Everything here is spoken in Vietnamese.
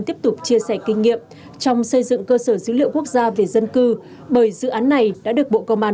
tiếp tục chia sẻ kinh nghiệm trong xây dựng cơ sở dữ liệu quốc gia về dân cư bởi dự án này đã được bộ công an